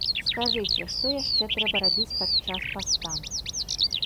Скажыце, што яшчэ трэба рабіць падчас паста?